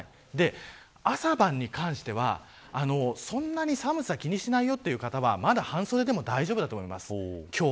朝晩に関してはそんなに寒さを気にしないよという方はまだ半袖でも大丈夫だと思います。